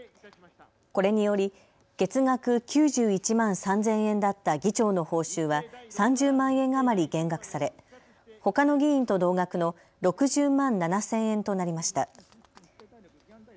これにより月額９１万３０００円だった議長の報酬は３０万円余り減額され、ほかの議員と同額の６０万７０００円となりました。